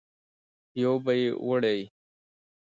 یو به یې وړې.